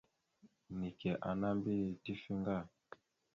Neke ana mbiyez tife ŋga.